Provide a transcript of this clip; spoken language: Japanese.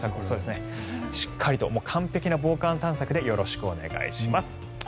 しっかりと完璧な防寒対策でよろしくお願いします。